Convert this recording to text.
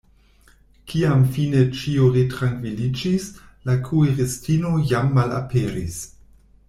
Kiam fine ĉio retrankviliĝis, la kuiristino jam malaperis.